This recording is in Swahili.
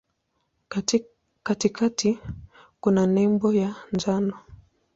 Katikati kuna nembo ya njano.